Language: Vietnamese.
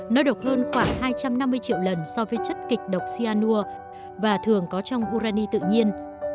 nó độc hơn khoảng hai trăm năm mươi triệu lần so với chất kịch độc cyanur và thường có trong urani tự nhiên